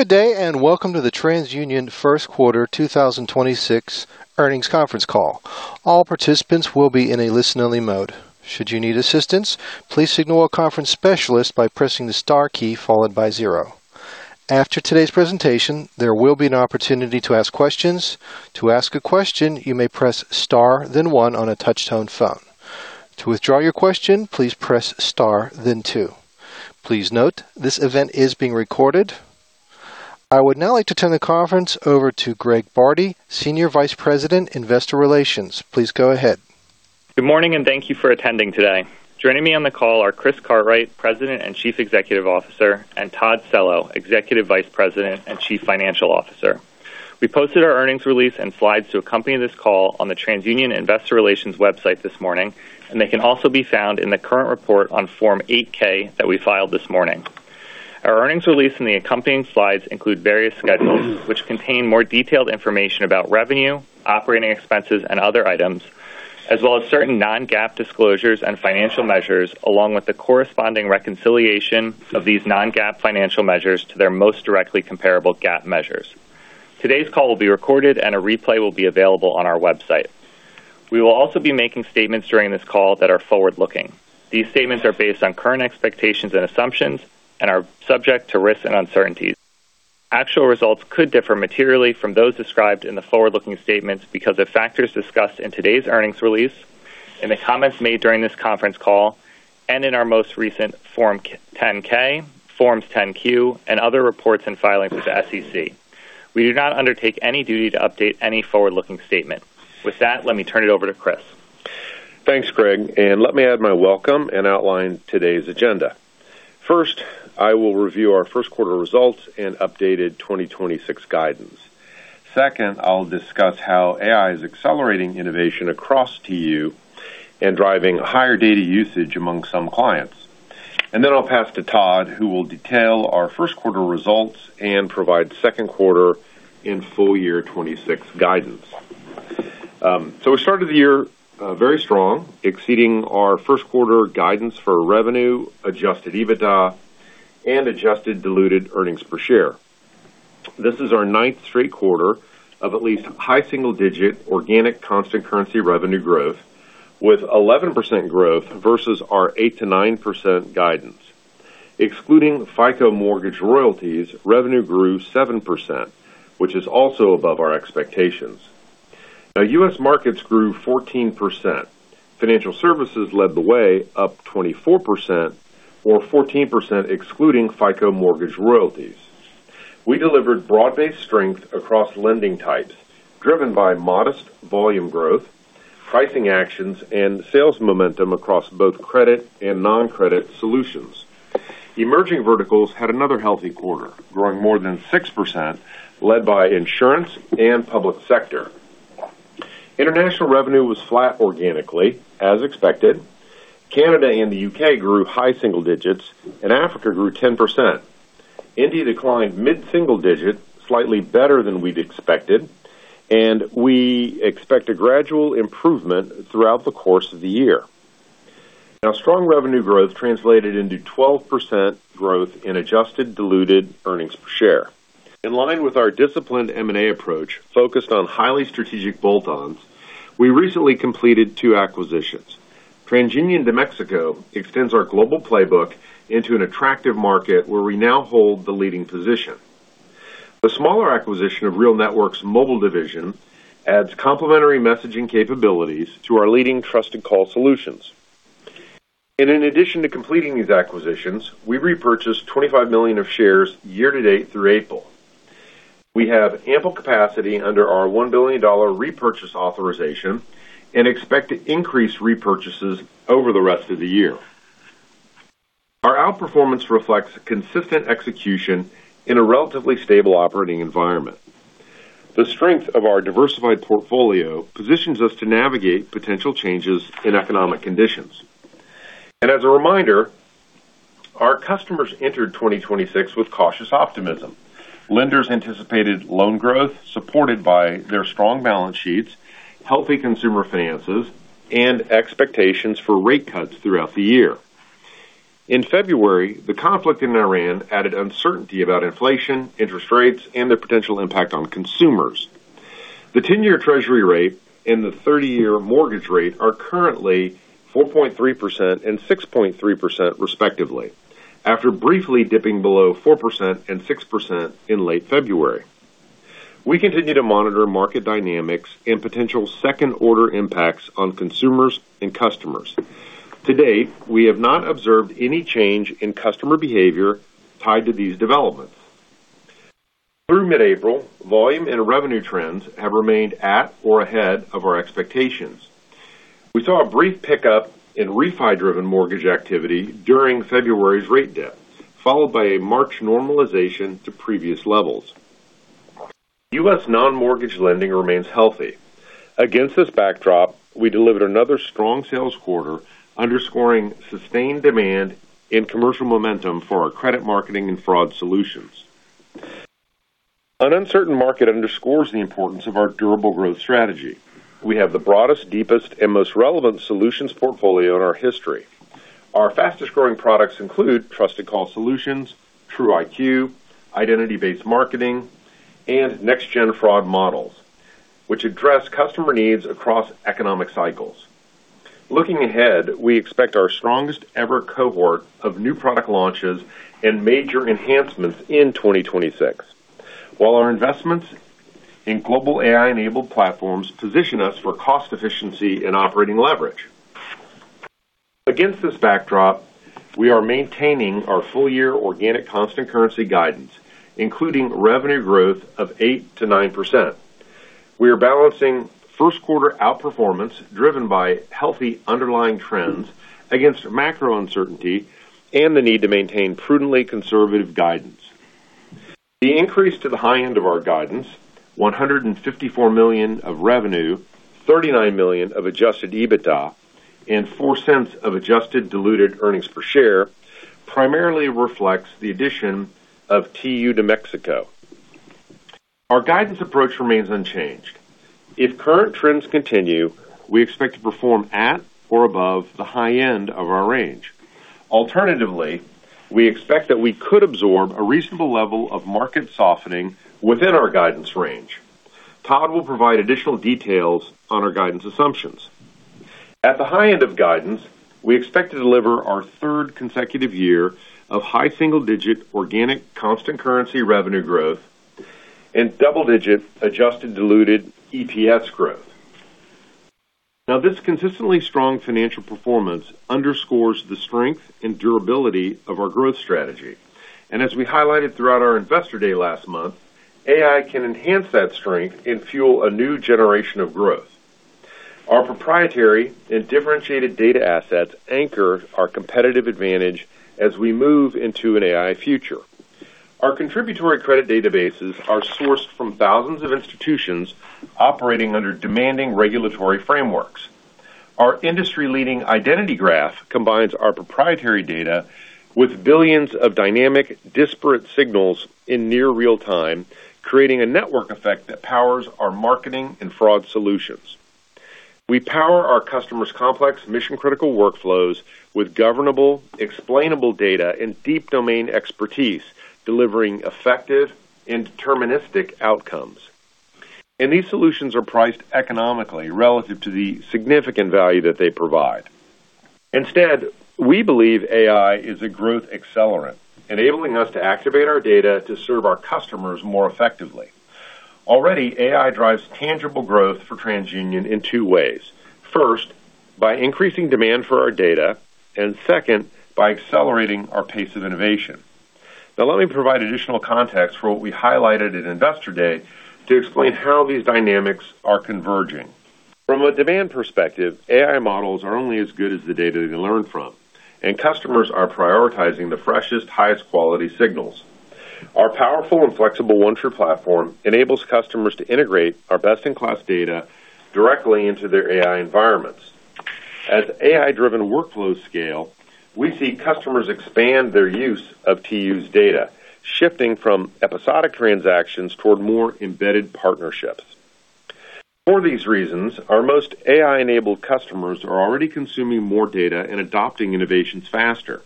Good day, and welcome to the TransUnion first quarter 2026 earnings conference call. All participants will be in a listen-only mode. Should you need assistance, please signal a conference specialist by pressing the star key followed by zero. After today's presentation, there will be an opportunity to ask questions. To ask a question, you may press star then one on a touch-tone phone. To withdraw your question, please press star then two. Please note, this event is being recorded. I would now like to turn the conference over to Greg Bardi, Senior Vice President, Investor Relations. Please go ahead. Good morning, and thank you for attending today. Joining me on the call are Chris Cartwright, President and Chief Executive Officer, and Todd Cello, Executive Vice President and Chief Financial Officer. We posted our earnings release and slides to accompany this call on the TransUnion Investor Relations website this morning. They can also be found in the current report on Form 8-K that we filed this morning. Our earnings release and the accompanying slides include various schedules which contain more detailed information about revenue, operating expenses and other items, as well as certain non-GAAP disclosures and financial measures, along with the corresponding reconciliation of these non-GAAP financial measures to their most directly comparable GAAP measures. Today's call will be recorded and a replay will be available on our website. We will also be making statements during this call that are forward-looking. These statements are based on current expectations and assumptions and are subject to risks and uncertainties. Actual results could differ materially from those described in the forward-looking statements because of factors discussed in today's earnings release, in the comments made during this conference call, and in our most recent Form 10-K, Forms 10-Q, and other reports and filings with the SEC. We do not undertake any duty to update any forward-looking statement. With that, let me turn it over to Chris. Thanks, Greg, and let me add my welcome and outline today's agenda. First, I will review our first quarter results and updated 2026 guidance. Second, I'll discuss how AI is accelerating innovation across TU and driving higher data usage among some clients. I'll pass to Todd, who will detail our first quarter results and provide second quarter and full year 2026 guidance. We started the year very strong, exceeding our first quarter guidance for revenue, adjusted EBITDA, and adjusted diluted earnings per share. This is our 9th straight quarter of at least high single-digit organic constant currency revenue growth, with 11% growth versus our 8%-9% guidance. Excluding FICO mortgage royalties, revenue grew 7%, which is also above our expectations. U.S. markets grew 14%. Financial services led the way up 24% or 14% excluding FICO mortgage royalties. We delivered broad-based strength across lending types, driven by modest volume growth, pricing actions, and sales momentum across both credit and non-credit solutions. Emerging verticals had another healthy quarter, growing more than 6%, led by insurance and public sector. International revenue was flat organically, as expected. Canada and the U.K. grew high single digits and Africa grew 10%. India declined mid-single digit, slightly better than we'd expected, and we expect a gradual improvement throughout the course of the year. Strong revenue growth translated into 12% growth in adjusted diluted earnings per share. In line with our disciplined M&A approach focused on highly strategic bolt-ons, we recently completed two acquisitions. TransUnion de México extends our global playbook into an attractive market where we now hold the leading position. The smaller acquisition of RealNetworks' mobile division adds complementary messaging capabilities to our leading Trusted Call Solutions. In addition to completing these acquisitions, we repurchased $25 million of shares year-to-date through April. We have ample capacity under our $1 billion repurchase authorization and expect to increase repurchases over the rest of the year. Our outperformance reflects consistent execution in a relatively stable operating environment. The strength of our diversified portfolio positions us to navigate potential changes in economic conditions. As a reminder, our customers entered 2026 with cautious optimism. Lenders anticipated loan growth supported by their strong balance sheets, healthy consumer finances, and expectations for rate cuts throughout the year. In February, the conflict in Iran added uncertainty about inflation, interest rates, and their potential impact on consumers. The 10-year Treasury rate and the 30-year mortgage rate are currently 4.3% and 6.3% respectively, after briefly dipping below 4% and 6% in late February. We continue to monitor market dynamics and potential second-order impacts on consumers and customers. To date, we have not observed any change in customer behavior tied to these developments. Through mid-April, volume and revenue trends have remained at or ahead of our expectations. We saw a brief pickup in refi-driven mortgage activity during February's rate dip, followed by a March normalization to previous levels. U.S. non-mortgage lending remains healthy. Against this backdrop, we delivered another strong sales quarter underscoring sustained demand and commercial momentum for our credit marketing and fraud solutions. An uncertain market underscores the importance of our durable growth strategy. We have the broadest, deepest, and most relevant solutions portfolio in our history Our fastest-growing products include Trusted Call Solutions, TruIQ, identity-based marketing, and next-gen fraud models, which address customer needs across economic cycles. Looking ahead, we expect our strongest-ever cohort of new product launches and major enhancements in 2026, while our investments in global AI-enabled platforms position us for cost efficiency and operating leverage. Against this backdrop, we are maintaining our full-year organic constant currency guidance, including revenue growth of 8%-9%. We are balancing first quarter outperformance driven by healthy underlying trends against macro uncertainty and the need to maintain prudently conservative guidance. The increase to the high end of our guidance, $154 million of revenue, $39 million of adjusted EBITDA, and $0.04 of adjusted diluted earnings per share, primarily reflects the addition of TU de México. Our guidance approach remains unchanged. If current trends continue, we expect to perform at or above the high end of our range. Alternatively, we expect that we could absorb a reasonable level of market softening within our guidance range. Todd will provide additional details on our guidance assumptions. At the high end of guidance, we expect to deliver our third consecutive year of high single-digit organic constant currency revenue growth and double-digit adjusted diluted EPS growth. This consistently strong financial performance underscores the strength and durability of our growth strategy. As we highlighted throughout our Investor Day last month, AI can enhance that strength and fuel a new generation of growth. Our proprietary and differentiated data assets anchor our competitive advantage as we move into an AI future. Our contributory credit databases are sourced from thousands of institutions operating under demanding regulatory frameworks. Our industry-leading identity graph combines our proprietary data with billions of dynamic disparate signals in near real-time, creating a network effect that powers our marketing and fraud solutions. We power our customers' complex mission-critical workflows with governable explainable data and deep domain expertise, delivering effective and deterministic outcomes. These solutions are priced economically relative to the significant value that they provide. Instead, we believe AI is a growth accelerant, enabling us to activate our data to serve our customers more effectively. Already, AI drives tangible growth for TransUnion in two ways. First, by increasing demand for our data, and second, by accelerating our pace of innovation. Let me provide additional context for what we highlighted at Investor Day to explain how these dynamics are converging. From a demand perspective, AI models are only as good as the data they learn from, and customers are prioritizing the freshest, highest quality signals. Our powerful and flexible OneTru platform enables customers to integrate our best-in-class data directly into their AI environments. As AI-driven workflows scale, we see customers expand their use of TU's data, shifting from episodic transactions toward more embedded partnerships. For these reasons, our most AI-enabled customers are already consuming more data and adopting innovations faster.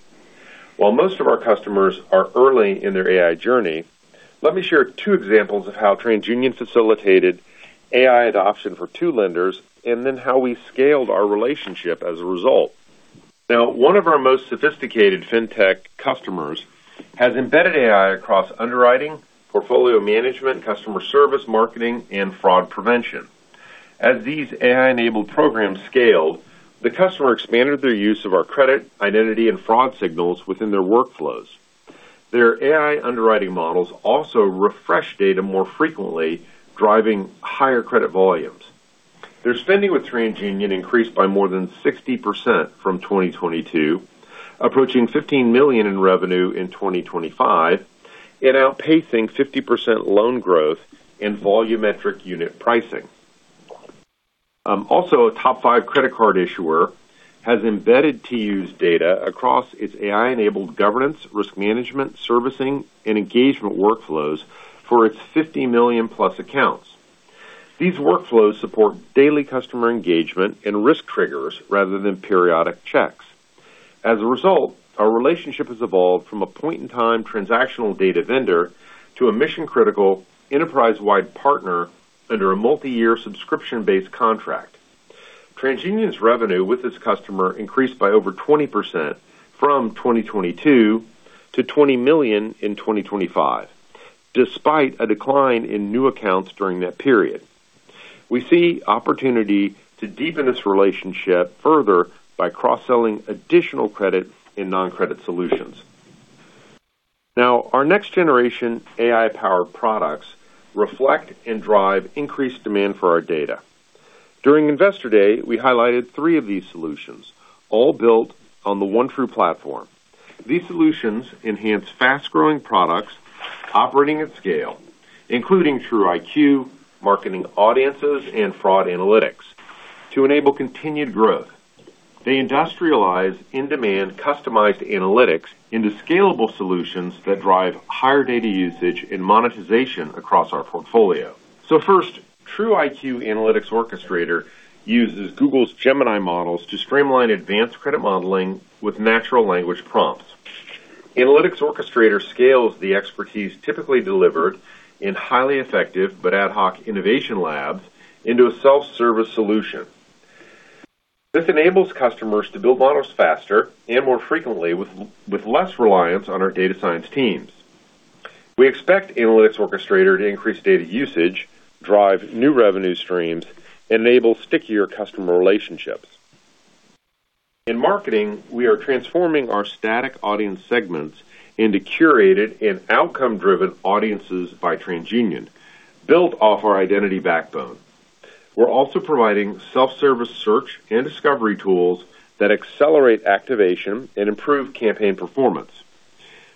While most of our customers are early in their AI journey, let me share two examples of how TransUnion facilitated AI adoption for two lenders, and then how we scaled our relationship as a result. One of our most sophisticated fintech customers has embedded AI across underwriting, portfolio management, customer service, marketing, and fraud prevention. As these AI-enabled programs scaled, the customer expanded their use of our credit, identity, and fraud signals within their workflows. Their AI underwriting models also refresh data more frequently, driving higher credit volumes. Their spending with TransUnion increased by more than 60% from 2022, approaching $15 million in revenue in 2025 and outpacing 50% loan growth in volumetric unit pricing. Also a top 5 credit card issuer has embedded TU's data across its AI-enabled governance, risk management, servicing, and engagement workflows for its 50 million-plus accounts. These workflows support daily customer engagement and risk triggers rather than periodic checks. As a result, our relationship has evolved from a point-in-time transactional data vendor to a mission-critical enterprise-wide partner under a multi-year subscription-based contract. TransUnion's revenue with this customer increased by over 20% from 2022 to $20 million in 2025, despite a decline in new accounts during that period. We see opportunity to deepen this relationship further by cross-selling additional credit and non-credit solutions. Our next generation AI-powered products reflect and drive increased demand for our data. During Investor Day, we highlighted three of these solutions, all built on the OneTru platform. These solutions enhance fast-growing products operating at scale, including TruIQ, marketing audiences, and fraud analytics to enable continued growth. They industrialize in-demand customized analytics into scalable solutions that drive higher data usage and monetization across our portfolio. First, TruIQ Analytics Orchestrator uses Google's Gemini models to streamline advanced credit modeling with natural language prompts. Analytics Orchestrator scales the expertise typically delivered in highly effective but ad hoc innovation labs into a self-service solution. This enables customers to build models faster and more frequently with less reliance on our data science teams. We expect Analytics Orchestrator to increase data usage, drive new revenue streams, enable stickier customer relationships. In marketing, we are transforming our static audience segments into curated and outcome-driven audiences by TransUnion, built off our identity backbone. We're also providing self-service search and discovery tools that accelerate activation and improve campaign performance.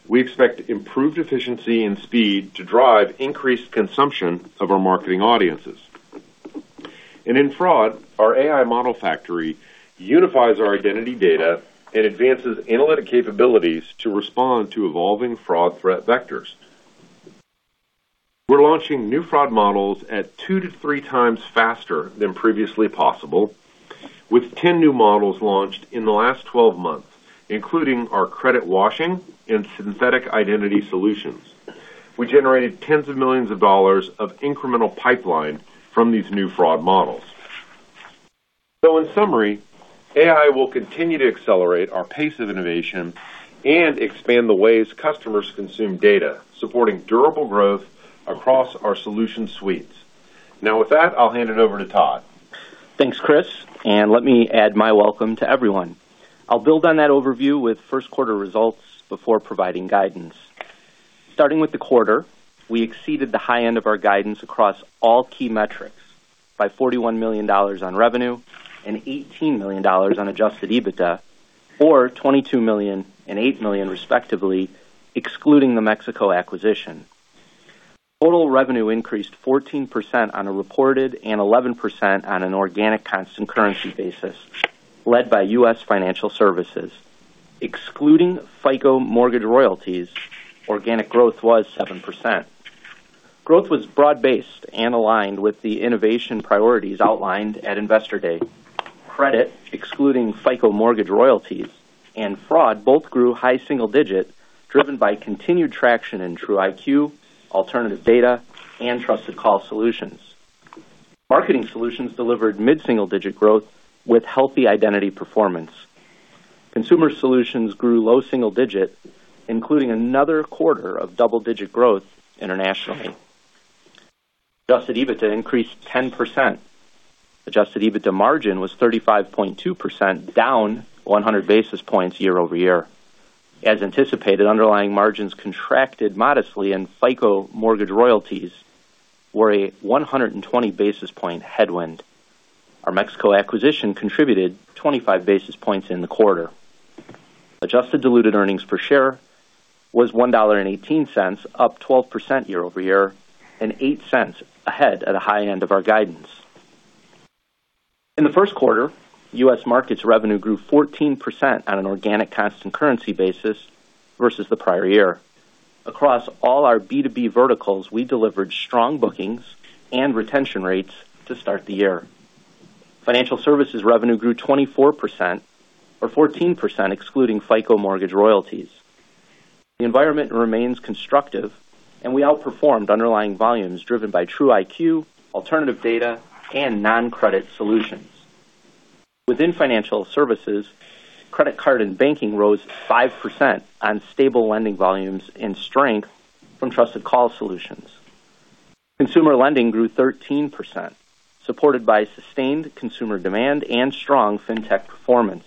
We expect improved efficiency and speed to drive increased consumption of our marketing audiences. In fraud, our AI model factory unifies our identity data and advances analytic capabilities to respond to evolving fraud threat vectors. We're launching new fraud models at two to three times faster than previously possible, with 10 new models launched in the last 12 months, including our credit washing and synthetic identity solutions. We generated tens of millions of dollars of incremental pipeline from these new fraud models. In summary, AI will continue to accelerate our pace of innovation and expand the ways customers consume data, supporting durable growth across our solution suites. With that, I'll hand it over to Todd. Thanks, Chris. Let me add my welcome to everyone. I'll build on that overview with first quarter results before providing guidance. Starting with the quarter, we exceeded the high end of our guidance across all key metrics by $41 million on revenue and $18 million on adjusted EBITDA, or $22 million and $8 million respectively, excluding the Mexico acquisition. Total revenue increased 14% on a reported and 11% on an organic constant currency basis, led by U.S. financial services. Excluding FICO mortgage royalties, organic growth was 7%. Growth was broad-based and aligned with the innovation priorities outlined at Investor Day. Credit, excluding FICO mortgage royalties and fraud, both grew high single-digit, driven by continued traction in TruIQ, alternative data, and Trusted Call Solutions. Marketing Solutions delivered mid-single-digit growth with healthy identity performance. Consumer Solutions grew low single digit, including another quarter of double-digit growth internationally. Adjusted EBITDA increased 10%. Adjusted EBITDA margin was 35.2%, down 100 basis points year-over-year. As anticipated, underlying margins contracted modestly, and FICO mortgage royalties were a 120 basis point headwind. Our Mexico acquisition contributed 25 basis points in the quarter. Adjusted diluted earnings per share was $1.18, up 12% year-over-year, and $0.08 ahead at a high end of our guidance. In the first quarter, U.S. markets revenue grew 14% on an organic constant currency basis versus the prior year. Across all our B2B verticals, we delivered strong bookings and retention rates to start the year. Financial services revenue grew 24%, or 14% excluding FICO mortgage royalties. The environment remains constructive, and we outperformed underlying volumes driven by TruIQ, alternative data, and non-credit solutions. Within financial services, credit card and banking rose 5% on stable lending volumes and strength from Trusted Call Solutions. Consumer lending grew 13%, supported by sustained consumer demand and strong fintech performance.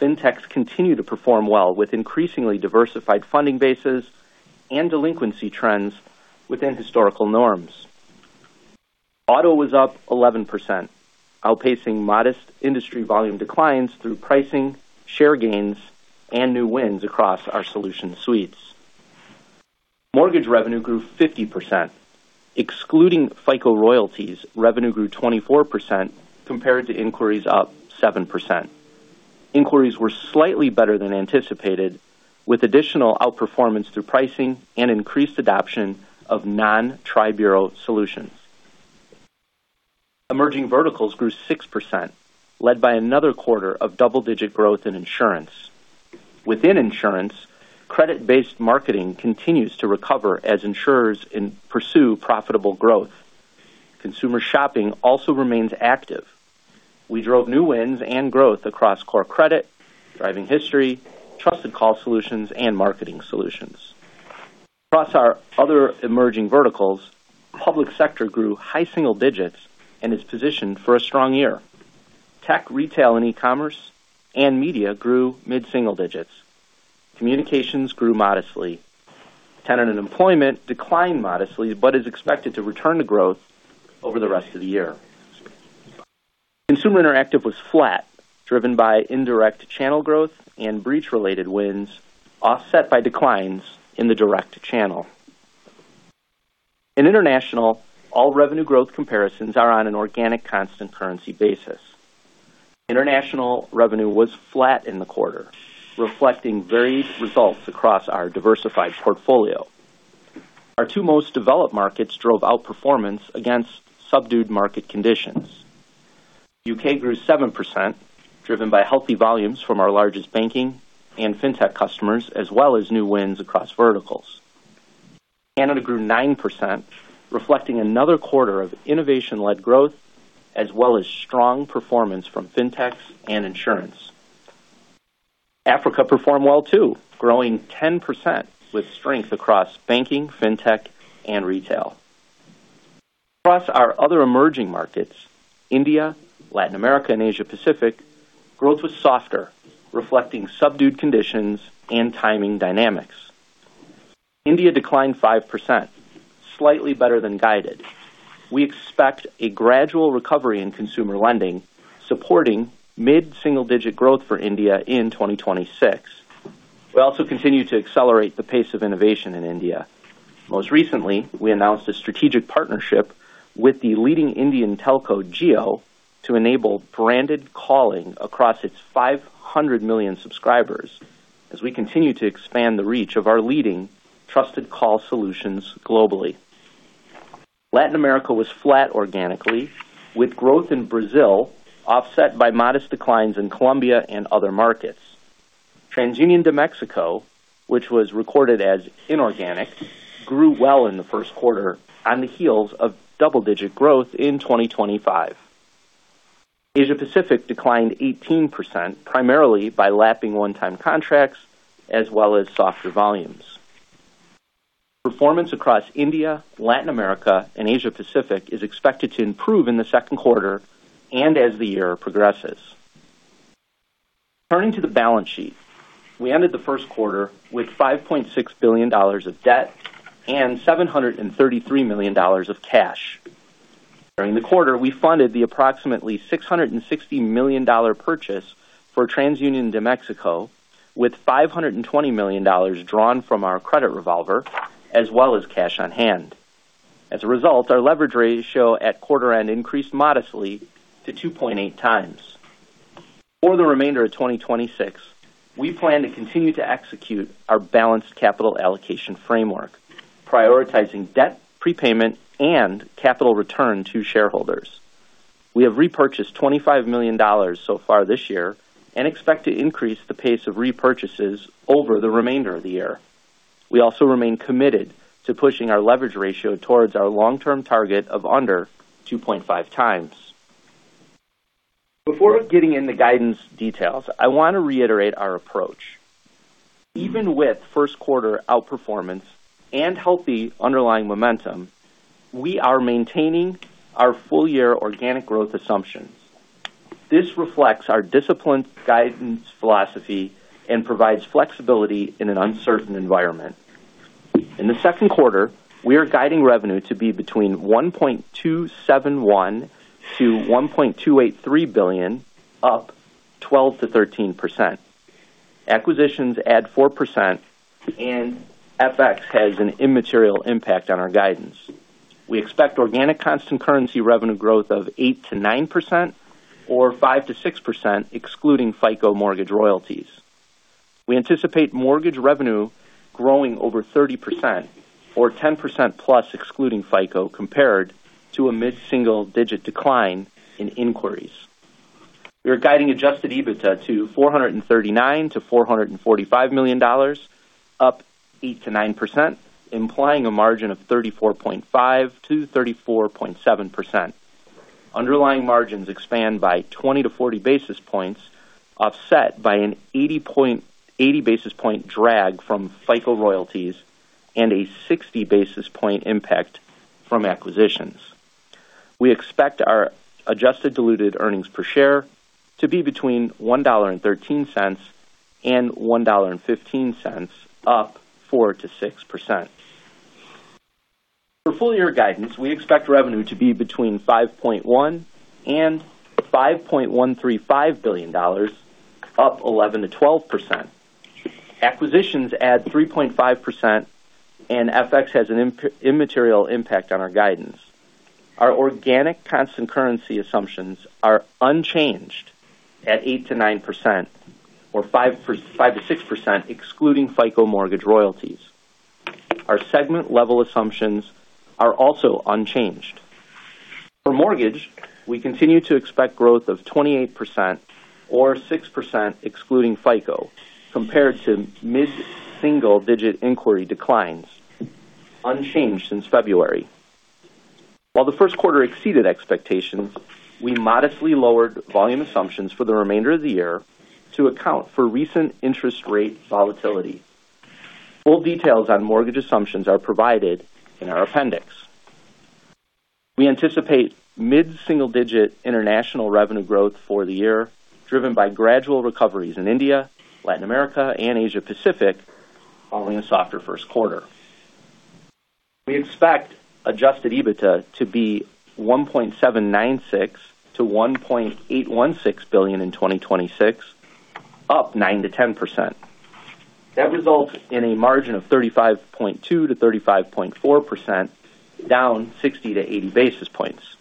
Fintechs continue to perform well with increasingly diversified funding bases and delinquency trends within historical norms. Auto was up 11%, outpacing modest industry volume declines through pricing, share gains, and new wins across our solution suites. Mortgage revenue grew 50%. Excluding FICO royalties, revenue grew 24% compared to inquiries up 7%. Inquiries were slightly better than anticipated, with additional outperformance through pricing and increased adoption of non-tri-bureau solutions. Emerging verticals grew 6%, led by another quarter of double-digit growth in insurance. Within insurance, credit-based marketing continues to recover as insurers pursue profitable growth. Consumer shopping also remains active. We drove new wins and growth across core credit, driving history, Trusted Call Solutions, and Marketing Solutions. Across our other emerging verticals, public sector grew high single digits and is positioned for a strong year. Tech, retail, and e-commerce and media grew mid-single digits. Communications grew modestly. Tenant and employment declined modestly but is expected to return to growth over the rest of the year. Consumer interactive was flat, driven by indirect channel growth and breach-related wins, offset by declines in the direct channel. In international, all revenue growth comparisons are on an organic constant currency basis. International revenue was flat in the quarter, reflecting varied results across our diversified portfolio. Our two most developed markets drove outperformance against subdued market conditions. U.K. grew 7%, driven by healthy volumes from our largest banking and fintech customers, as well as new wins across verticals. Canada grew 9%, reflecting another quarter of innovation-led growth as well as strong performance from fintechs and insurance. Africa performed well too, growing 10% with strength across banking, fintech and retail. Our other emerging markets India, Latin America and Asia Pacific growth was softer, reflecting subdued conditions and timing dynamics. India declined 5%, slightly better than guided. We expect a gradual recovery in consumer lending, supporting mid-single-digit growth for India in 2026. We also continue to accelerate the pace of innovation in India. Most recently, we announced a strategic partnership with the leading Indian telco Jio to enable branded calling across its 500 million subscribers as we continue to expand the reach of our leading Trusted Call Solutions globally. Latin America was flat organically, with growth in Brazil offset by modest declines in Colombia and other markets. TransUnion de México, which was recorded as inorganic, grew well in the first quarter on the heels of double-digit growth in 2025. Asia Pacific declined 18% primarily by lapping one-time contracts as well as softer volumes. Performance across India, Latin America and Asia Pacific is expected to improve in the second quarter and as the year progresses. Turning to the balance sheet. We ended the first quarter with $5.6 billion of debt and $733 million of cash. During the quarter, we funded the approximately $660 million purchase for TransUnion de México with $520 million drawn from our credit revolver as well as cash on hand. As a result, our leverage ratio at quarter end increased modestly to 2.8 times. For the remainder of 2026, we plan to continue to execute our balanced capital allocation framework, prioritizing debt prepayment and capital return to shareholders. We have repurchased $25 million so far this year and expect to increase the pace of repurchases over the remainder of the year. We also remain committed to pushing our leverage ratio towards our long-term target of under 2.5x. Before getting into guidance details, I want to reiterate our approach. Even with 1st quarter outperformance and healthy underlying momentum, we are maintaining our full-year organic growth assumptions. This reflects our disciplined guidance philosophy and provides flexibility in an uncertain environment. In the 2nd quarter, we are guiding revenue to be between $1.271 billion-$1.283 billion, up 12%-13%. Acquisitions add 4% and FX has an immaterial impact on our guidance. We expect organic constant currency revenue growth of 8%-9% or 5%-6% excluding FICO mortgage royalties. We anticipate mortgage revenue growing over 30% or 10%+ excluding FICO compared to a mid-single digit decline in inquiries. We are guiding adjusted EBITDA to $439 million-$445 million, up 8%-9%, implying a margin of 34.5%-34.7%. Underlying margins expand by 20-40 basis points, offset by an 80 basis point drag from FICO royalties and a 60 basis point impact from acquisitions. We expect our adjusted diluted earnings per share to be between $1.13 and $1.15, up 4%-6%. For full-year guidance, we expect revenue to be between $5.1 billion and $5.135 billion, up 11%-12%. Acquisitions add 3.5% and FX has an immaterial impact on our guidance. Our organic constant currency assumptions are unchanged at 8%-9% or 5%-6% excluding FICO mortgage royalties. Our segment-level assumptions are also unchanged. For mortgage, we continue to expect growth of 28% or 6% excluding FICO compared to mid-single digit inquiry declines unchanged since February. While the first quarter exceeded expectations, we modestly lowered volume assumptions for the remainder of the year to account for recent interest rate volatility. Full details on mortgage assumptions are provided in our appendix. We anticipate mid-single digit international revenue growth for the year, driven by gradual recoveries in India, Latin America and Asia Pacific following a softer first quarter. We expect adjusted EBITDA to be $1.796 billion-$1.816 billion in 2026, up 9%-10%. It results in a margin of 35.2%-35.4%, down 60 to 80 basis points.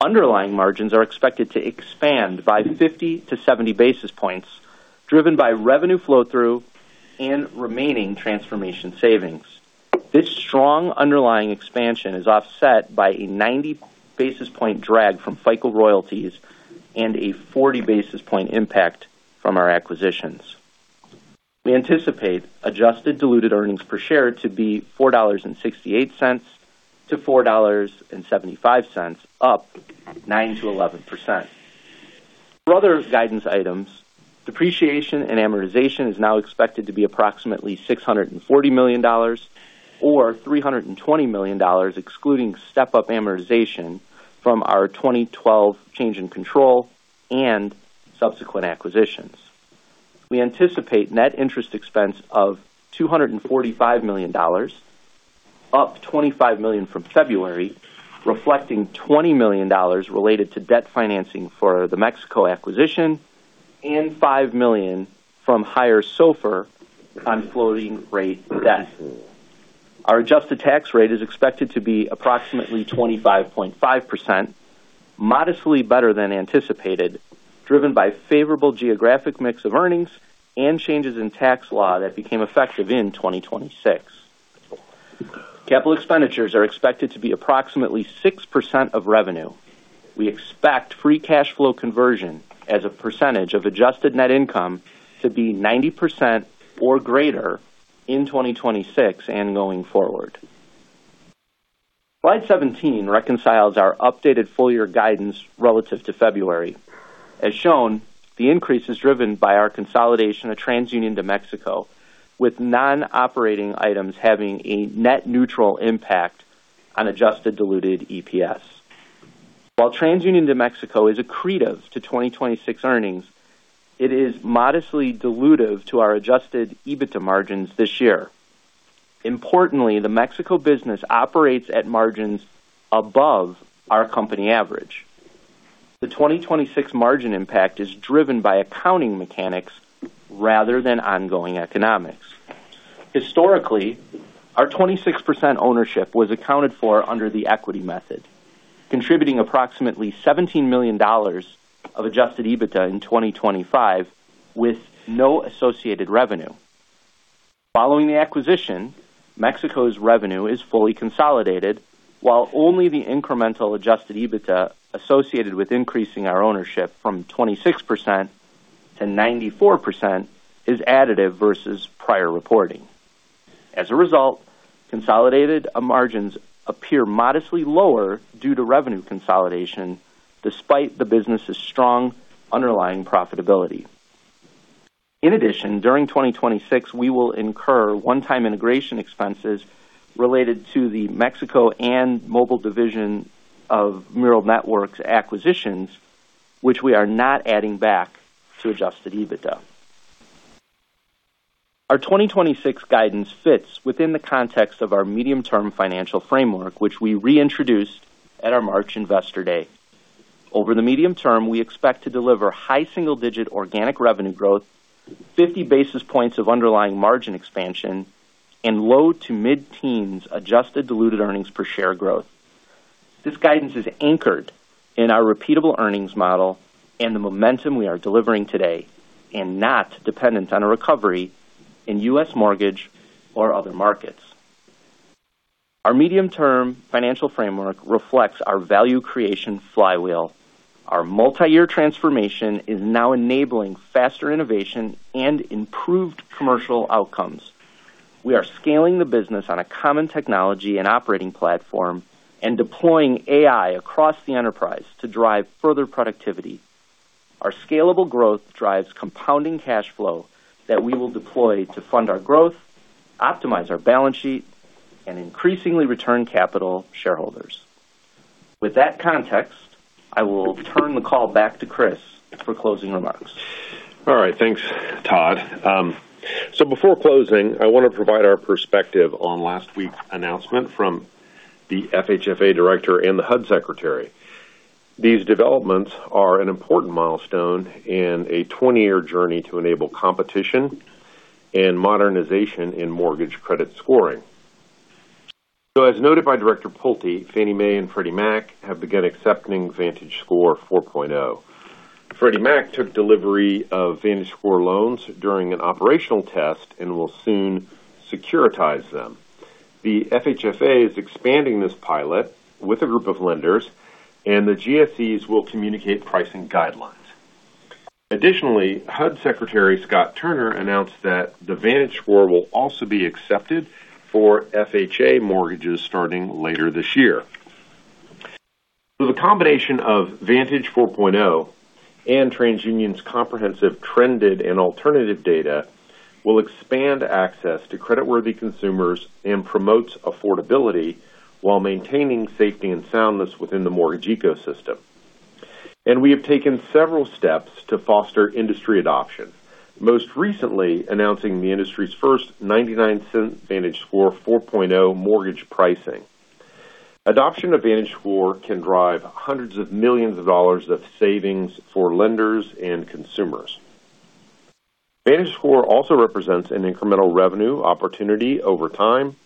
Underlying margins are expected to expand by 50 to 70 basis points, driven by revenue flow-through and remaining transformation savings. This strong underlying expansion is offset by a 90 basis point drag from FICO royalties and a 40 basis point impact from our acquisitions. We anticipate adjusted diluted earnings per share to be $4.68-$4.75, up 9%-11%. For other guidance items, depreciation and amortization is now expected to be approximately $640 million or $320 million, excluding step-up amortization from our 2012 change in control and subsequent acquisitions. We anticipate net interest expense of $245 million, up $25 million from February, reflecting $20 million related to debt financing for the Mexico acquisition and $5 million from higher SOFR on floating rate debt. Our adjusted tax rate is expected to be approximately 25.5%, modestly better than anticipated, driven by favorable geographic mix of earnings and changes in tax law that became effective in 2026. Capital expenditures are expected to be approximately 6% of revenue. We expect free cash flow conversion as a percentage of adjusted net income to be 90% or greater in 2026 and going forward. Slide 17 reconciles our updated full year guidance relative to February. As shown, the increase is driven by our consolidation of TransUnion de México, with non-operating items having a net neutral impact on adjusted diluted EPS. While TransUnion de México is accretive to 2026 earnings, it is modestly dilutive to our adjusted EBITDA margins this year. Importantly, the México business operates at margins above our company average. The 2026 margin impact is driven by accounting mechanics rather than ongoing economics. Historically, our 26% ownership was accounted for under the equity method, contributing approximately $17 million of adjusted EBITDA in 2025 with no associated revenue. Following the acquisition, México's revenue is fully consolidated, while only the incremental adjusted EBITDA associated with increasing our ownership from 26% to 94% is additive versus prior reporting. As a result, consolidated margins appear modestly lower due to revenue consolidation despite the business's strong underlying profitability. In addition, during 2026, we will incur one-time integration expenses related to the Mexico and mobile division of RealNetworks' acquisitions, which we are not adding back to adjusted EBITDA. Our 2026 guidance fits within the context of our medium-term financial framework, which we reintroduced at our March Investor Day. Over the medium term, we expect to deliver high single-digit organic revenue growth, 50 basis points of underlying margin expansion, and low to mid-teens adjusted diluted earnings per share growth. This guidance is anchored in our repeatable earnings model and the momentum we are delivering today and not dependent on a recovery in U.S. mortgage or other markets. Our medium-term financial framework reflects our value creation flywheel. Our multi-year transformation is now enabling faster innovation and improved commercial outcomes. We are scaling the business on a common technology and operating platform and deploying AI across the enterprise to drive further productivity. Our scalable growth drives compounding cash flow that we will deploy to fund our growth, optimize our balance sheet, and increasingly return capital to shareholders. With that context, I will turn the call back to Chris for closing remarks. All right. Thanks, Todd. Before closing, I want to provide our perspective on last week's announcement from the FHFA director and the HUD secretary. These developments are an important milestone in a 20-year journey to enable competition and modernization in mortgage credit scoring. As noted by Director Pulte, Fannie Mae and Freddie Mac have begun accepting Vantage Score 4.0. Freddie Mac took delivery of Vantage Score loans during an operational test and will soon securitize them. The FHFA is expanding this pilot with a group of lenders, and the GSEs will communicate pricing guidelines. Additionally, HUD Secretary Scott Turner announced that the Vantage Score will also be accepted for FHA mortgages starting later this year. The combination of VantageScore 4.0 and TransUnion's comprehensive trended and alternative data will expand access to creditworthy consumers and promote affordability while maintaining safety and soundness within the mortgage ecosystem. We have taken several steps to foster industry adoption, most recently announcing the industry's first $0.99 VantageScore 4.0 mortgage pricing. Adoption of VantageScore can drive hundreds of millions of dollars of savings for lenders and consumers. VantageScore also represents an incremental revenue opportunity over time.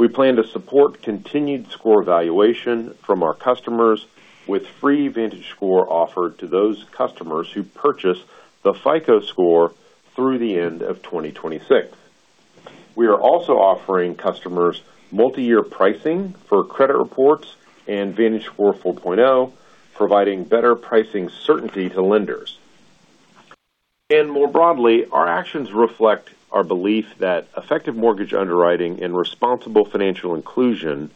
We plan to support continued score valuation from our customers with free VantageScore offered to those customers who purchase the FICO Score through the end of 2026. We are also offering customers multi-year pricing for credit reports and VantageScore 4.0, providing better pricing certainty to lenders. More broadly, our actions reflect our belief that effective mortgage underwriting and responsible financial inclusion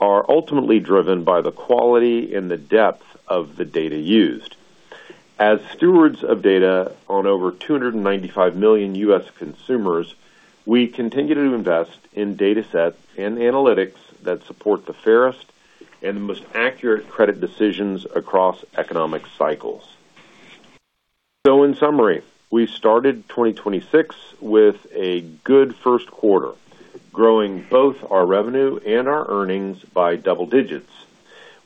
are ultimately driven by the quality and the depth of the data used. As stewards of data on over 295 million U.S. consumers, we continue to invest in datasets and analytics that support the fairest and most accurate credit decisions across economic cycles. In summary, we started 2026 with a good first quarter, growing both our revenue and our earnings by double digits.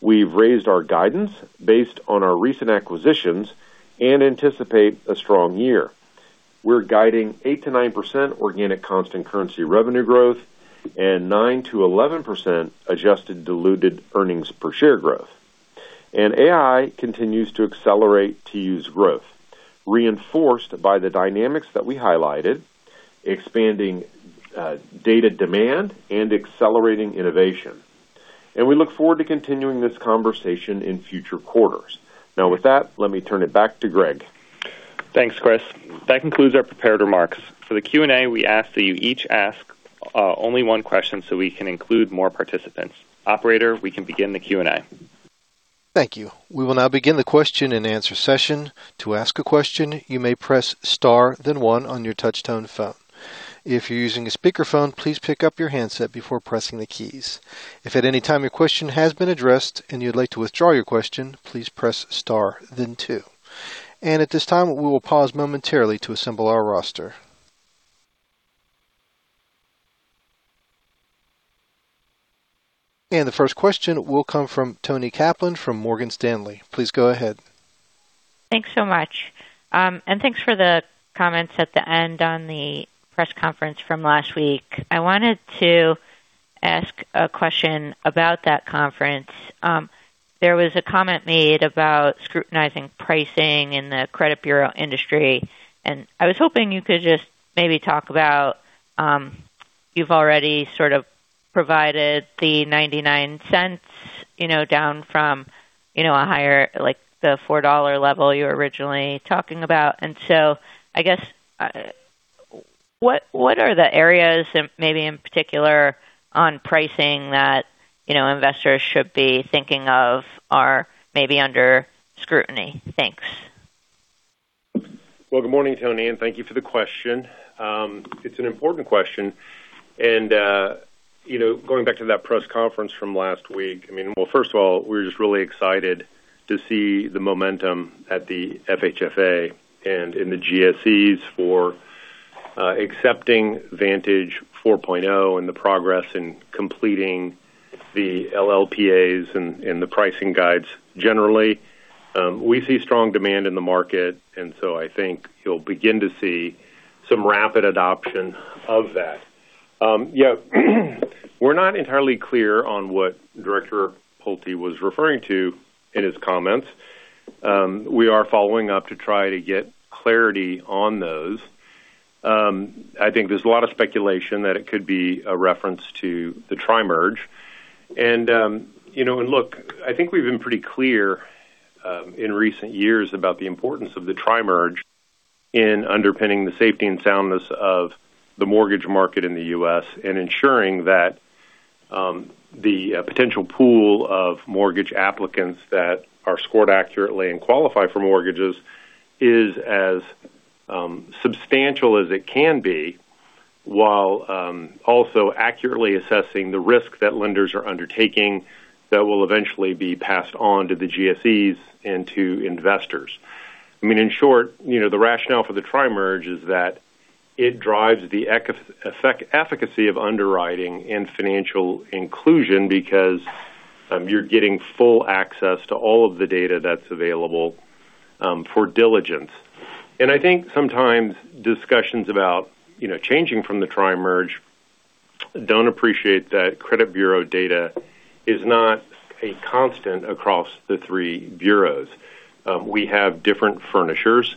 We've raised our guidance based on our recent acquisitions and anticipate a strong year. We're guiding 8%-9% organic constant currency revenue growth and 9%-11% adjusted diluted earnings per share growth. AI continues to accelerate TU's growth, reinforced by the dynamics that we highlighted, expanding data demand and accelerating innovation. We look forward to continuing this conversation in future quarters. Now with that, let me turn it back to Greg. Thanks, Chris. That concludes our prepared remarks. For the Q&A, we ask that you each ask only one question so we can include more participants. Operator, we can begin the Q&A. Thank you. We will now begin the question-and-answer session. The first question will come from Toni Kaplan from Morgan Stanley. Please go ahead. Thanks so much. Thanks for the comments at the end on the press conference from last week. I wanted to ask a question about that conference. There was a comment made about scrutinizing pricing in the credit bureau industry. I was hoping you could just maybe talk about, you know, you've already sort of provided the $0.99, you know, down from, you know, a higher, like the $4 level you were originally talking about. I guess, what are the areas maybe in particular on pricing that, you know, investors should be thinking of are maybe under scrutiny? Thanks. Good morning, Toni, thank you for the question. It's an important question, you know, going back to that press conference from last week, I mean, well, first of all, we're just really excited to see the momentum at the FHFA and in the GSEs for accepting VantageScore 4.0 and the progress in completing the LLPAs and the pricing guides generally. We see strong demand in the market, I think you'll begin to see some rapid adoption of that. Yeah, we're not entirely clear on what Director Pulte was referring to in his comments. We are following up to try to get clarity on those. I think there's a lot of speculation that it could be a reference to the tri-merge. You know, and look, I think we've been pretty clear in recent years about the importance of the tri-merge in underpinning the safety and soundness of the mortgage market in the U.S. and ensuring that the potential pool of mortgage applicants that are scored accurately and qualify for mortgages is as substantial as it can be, while also accurately assessing the risk that lenders are undertaking that will eventually be passed on to the GSEs and to investors. I mean, in short, you know, the rationale for the tri-merge is that it drives the efficacy of underwriting and financial inclusion because you're getting full access to all of the data that's available for diligence. I think sometimes discussions about, you know, changing from the tri-merge don't appreciate that credit bureau data is not a constant across the three bureaus. We have different furnishers.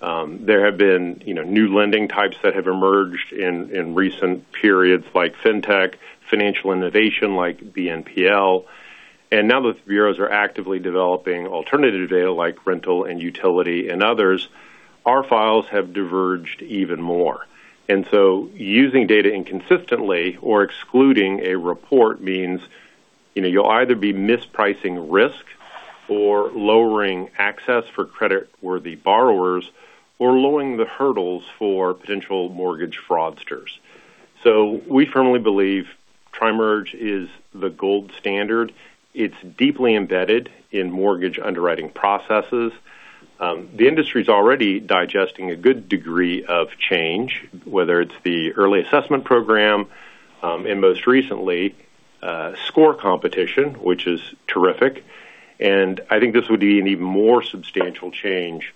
There have been, you know, new lending types that have emerged in recent periods like Fintech, financial innovation like BNPL. Now that the bureaus are actively developing alternative data like rental and utility and others, our files have diverged even more. Using data inconsistently or excluding a report means, you know, you'll either be mispricing risk or lowering access for credit-worthy borrowers or lowering the hurdles for potential mortgage fraudsters. We firmly believe tri-merge is the gold standard. It's deeply embedded in mortgage underwriting processes. The industry's already digesting a good degree of change, whether it's the Early Assessment Program, and most recently, score competition, which is terrific. I think this would be an even more substantial change,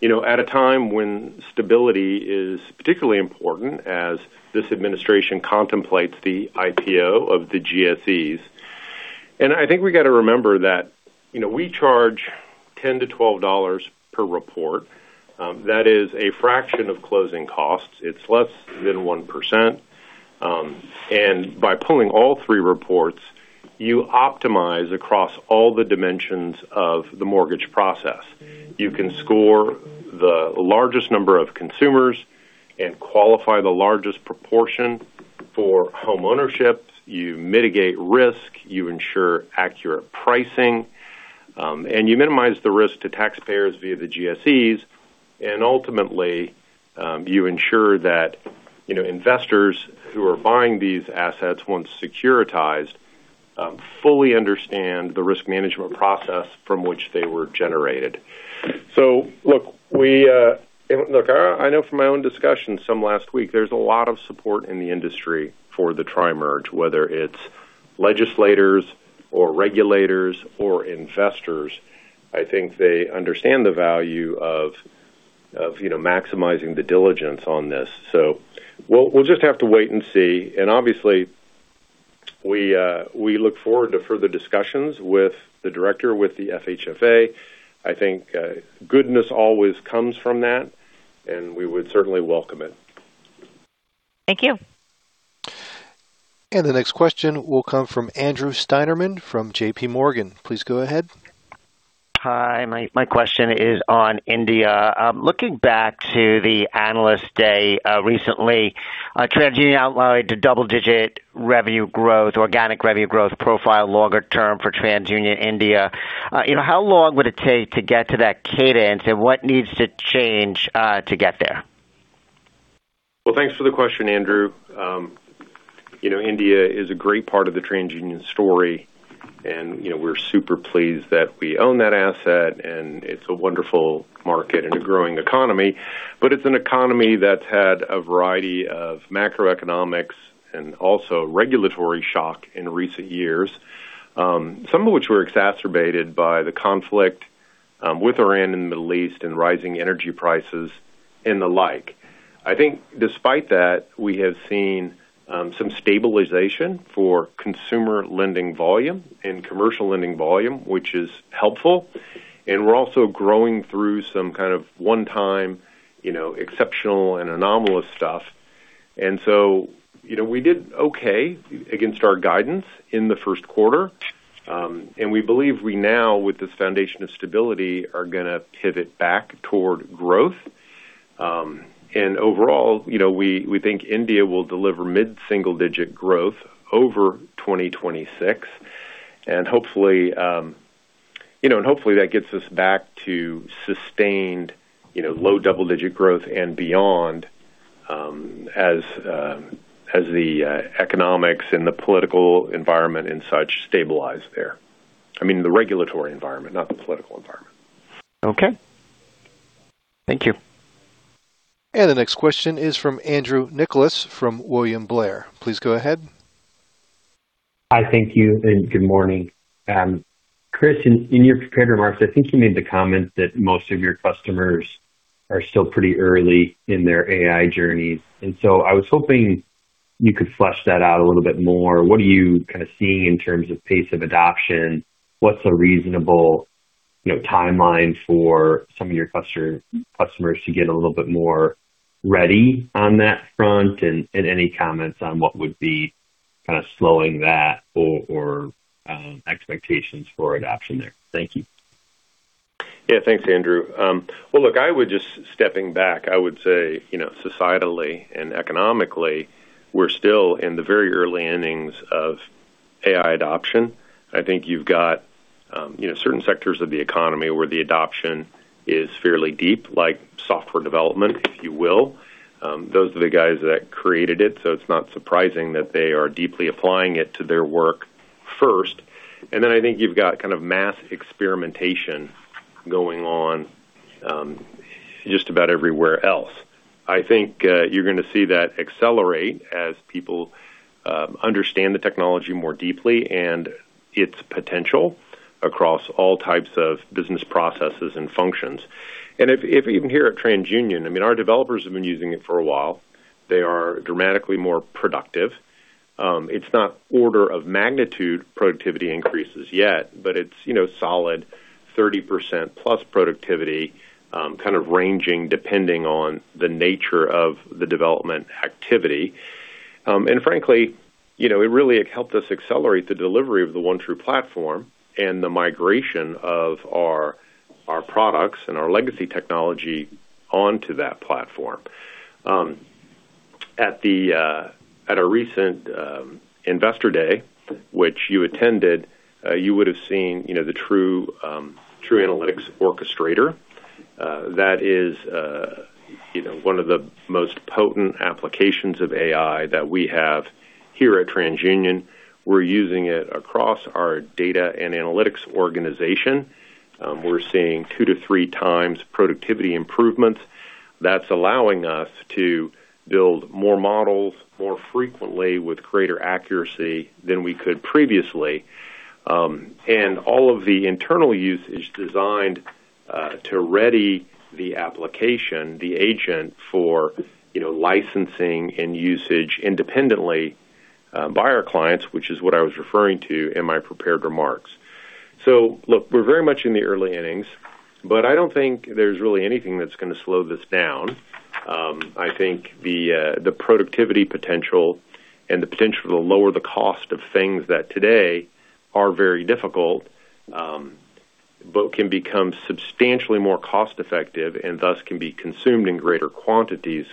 you know, at a time when stability is particularly important as this administration contemplates the IPO of the GSEs. I think we gotta remember that, you know, we charge $10-$12 per report. That is a fraction of closing costs. It's less than 1%. By pulling all three reports, you optimize across all the dimensions of the mortgage process. You can score the largest number of consumers and qualify the largest proportion for homeownership. You mitigate risk, you ensure accurate pricing, and you minimize the risk to taxpayers via the GSEs. Ultimately, you ensure that, you know, investors who are buying these assets once securitized, fully understand the risk management process from which they were generated. I know from my own discussions some last week, there's a lot of support in the industry for the tri-merge, whether it's legislators or regulators or investors. I think they understand the value of, you know, maximizing the diligence on this. We'll just have to wait and see. Obviously, we look forward to further discussions with the Director, with the FHFA. I think goodness always comes from that, we would certainly welcome it. Thank you. The next question will come from Andrew Steinerman from JPMorgan. Please go ahead. Hi. My question is on India. Looking back to the Analyst Day, recently, TransUnion outlined a double-digit revenue growth, organic revenue growth profile longer term for TransUnion India. You know, how long would it take to get to that cadence, and what needs to change to get there? Thanks for the question, Andrew. You know, India is a great part of the TransUnion story, and, you know, we're super pleased that we own that asset, and it's a wonderful market and a growing economy. It's an economy that's had a variety of macroeconomics and also regulatory shock in recent years, some of which were exacerbated by the conflict with Iran and the Middle East and rising energy prices and the like. I think despite that, we have seen some stabilization for consumer lending volume and commercial lending volume, which is helpful, and we're also growing through some kind of one-time, you know, exceptional and anomalous stuff. You know, we did okay against our guidance in the first quarter, and we believe we now, with this foundation of stability, are gonna pivot back toward growth. Overall, you know, we think India will deliver mid-single digit growth over 2026. Hopefully, you know, and hopefully that gets us back to sustained, you know, low double-digit growth and beyond, as the economics and the political environment and such stabilize there. I mean, the regulatory environment, not the political environment. Okay. Thank you. The next question is from Andrew Nicholas from William Blair. Please go ahead. Hi. Thank you and good morning. Chris, in your prepared remarks, I think you made the comment that most of your customers are still pretty early in their AI journeys, and so I was hoping you could flesh that out a little bit more. What are you kind of seeing in terms of pace of adoption? What's a reasonable, you know, timeline for some of your customers to get a little bit more ready on that front? Any comments on what would be kind of slowing that or expectations for adoption there? Thank you. Thanks, Andrew. Well, look, stepping back, I would say, you know, societally and economically, we're still in the very early innings of AI adoption. I think you've got, you know, certain sectors of the economy where the adoption is fairly deep, like software development, if you will. Those are the guys that created it, so it's not surprising that they are deeply applying it to their work first. Then I think you've got kind of mass experimentation going on, just about everywhere else. I think, you're going to see that accelerate as people understand the technology more deeply and its potential across all types of business processes and functions. If even here at TransUnion, I mean, our developers have been using it for a while. They are dramatically more productive. It's not order of magnitude productivity increases yet, but it's, you know, solid 30% plus productivity, kind of ranging depending on the nature of the development activity. Frankly, you know, it really helped us accelerate the delivery of the OneTru platform and the migration of our products and our legacy technology onto that platform. At a recent investor day, which you attended, you would've seen, you know, the TruIQ Analytics Orchestrator, that is, you know, one of the most potent applications of AI that we have here at TransUnion. We're using it across our data and analytics organization. We're seeing 2 to 3 times productivity improvements. That's allowing us to build more models more frequently with greater accuracy than we could previously. All of the internal use is designed to ready the application, the agent for, you know, licensing and usage independently by our clients, which is what I was referring to in my prepared remarks. Look, we're very much in the early innings, but I don't think there's really anything that's going to slow this down. I think the productivity potential and the potential to lower the cost of things that today are very difficult, but can become substantially more cost-effective and thus can be consumed in greater quantities.